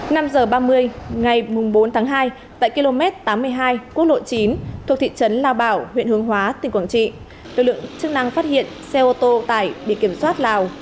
năm h ba mươi ngày bốn tháng hai tại km tám mươi hai quốc lộ chín thuộc thị trấn lao bảo huyện hướng hóa tỉnh quảng trị lực lượng chức năng phát hiện xe ô tô tải bị kiểm soát lào